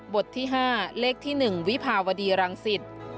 ที่๕เลขที่๑วิภาวดีรังสิต